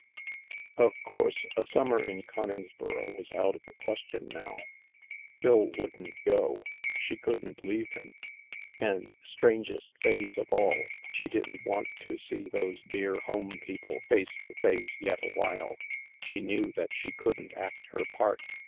Of course, a summer in Coningsboro was out of the question now. Phil wouldn't go, she couldn't leave him, and, strangest phase of all, she didn't want to see those dear home people face to face yet awhile. She knew that she couldn't act her part.